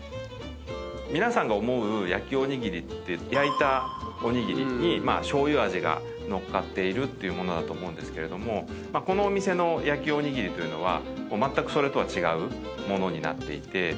皆さんが思う焼きおにぎりって焼いたおにぎりに醤油味が乗っかっているっていう物だと思うんですけれどもこのお店の焼きおにぎりというのは。